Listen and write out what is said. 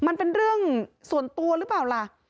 มันเป็นเรื่องส่วนตัวหรือเปล่าล่ะ